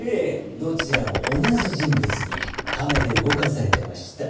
どちらも同じ人物に金で動かされてました。